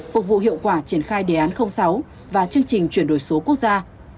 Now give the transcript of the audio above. phục vụ hiệu quả triển khai đề án sáu và chương trình chuyển đổi số quốc gia